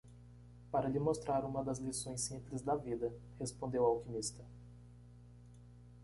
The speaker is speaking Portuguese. "Para lhe mostrar uma das lições simples da vida?", respondeu o alquimista.